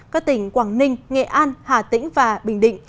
các tỉnh quảng ninh nghệ an hà tĩnh và bình định